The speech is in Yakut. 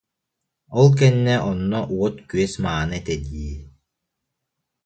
Ол кэннэ онно уот-күөс мааны этэ дии